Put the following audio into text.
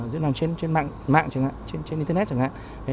diễn đàn trên mạng trên internet chẳng hạn